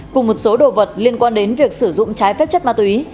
cùng một số đồ vật liên quan đến việc sử dụng trái phép chất ma túy